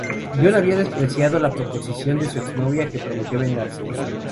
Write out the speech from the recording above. John había despreciado la proposición de su ex novia que prometió vengarse.